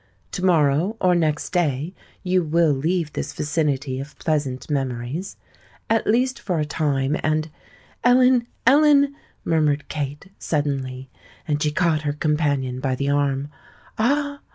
To morrow or next day you will leave this vicinity of pleasant memories—at least for a time; and——" "Ellen, Ellen!" murmured Kate, suddenly; and she caught her companion by the arm. "Ah!